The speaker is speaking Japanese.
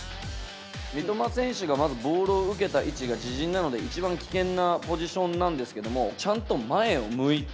三笘選手がまずボールを受けた位置が、自陣なので、一番危険なポジションなんですけど、ちゃんと前を向いた。